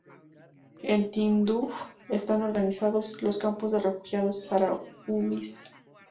En Tinduf están organizados los campos de refugiados saharauis.